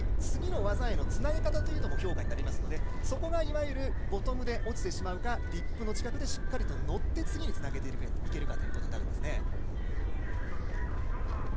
次の技へのつなげ方も評価になりますのでそこがいわゆるボトムで落ちてしまうかリップの近くでしっかりと乗って次につなげていけるかになります。